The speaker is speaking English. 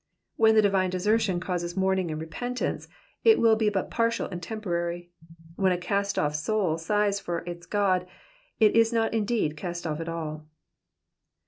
When the divine desertion causes mourn ing and repentance, it will be but partial and temporary. "When a cast off soul sighs for its God it is not indeed cast off at all.